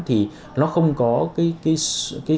thì nó không có cái